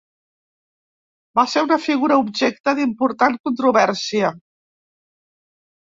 Va ser una figura objecte d'important controvèrsia.